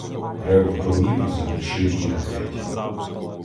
Рев громів заглушив їх геть.